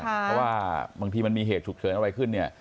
เพราะว่าบางทีมันมีเหตุฉุกเฉินอะไรขึ้นเนี่ย